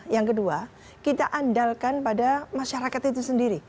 yang kedua kita andalkan pada masyarakat itu sendiri